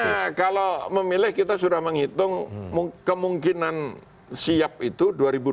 nah kalau memilih kita sudah menghitung kemungkinan siap itu dua ribu dua puluh